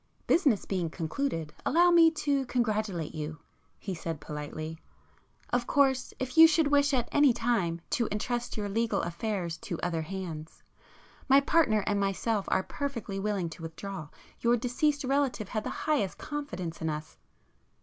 "Business being concluded, allow me to congratulate you," he said politely—"Of course, if you should wish at any time to entrust your legal affairs to other hands, my partner and myself are perfectly willing to withdraw. Your deceased relative had the highest confidence in us...."